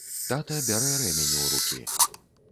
Тата бярэ рэмень у рукі.